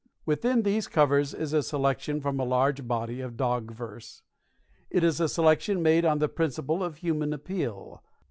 Within these covers is a selection from a large body of dog verse. It is a selection made on the principle of human appeal.